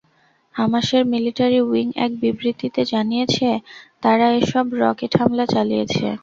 হামাসের military wing এক বিবৃতিতে জানিয়েছে, তারা এসব রকেট হামলা চালিয়েছে।